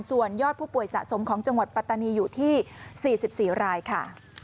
ส่วนยอดผู้ป่วยสะสมของจังหวัดปัตตานีอยู่ที่๔๔รายค่ะ